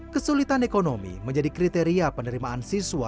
kesulitan ekonomi menjadi kriteria penerimaan siswa